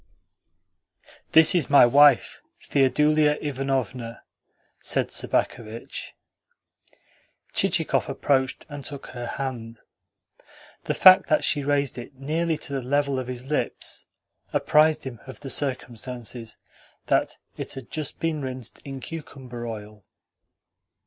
"This is my wife, Theodulia Ivanovna," said Sobakevitch. Chichikov approached and took her hand. The fact that she raised it nearly to the level of his lips apprised him of the circumstance that it had just been rinsed in cucumber oil.